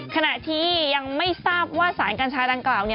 ขณะที่ยังไม่ทราบว่าสารกัญชาดังกล่าว